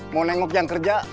mau nengok yang kerja